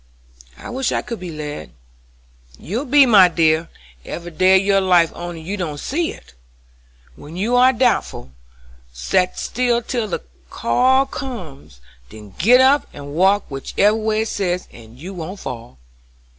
"I wish I could be led." "You be, my dear, every day of your life only you don't see it. When you are doubtful, set still till the call comes, then git up and walk whichever way it says, and you won't fall.